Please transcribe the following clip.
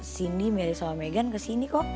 cindy milih sama megan kesini kok